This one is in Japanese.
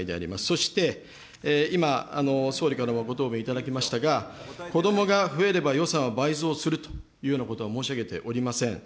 そして今、総理からもご答弁いただきましたが、子どもが増えれば予算は倍増するというようなことは申し上げておりません。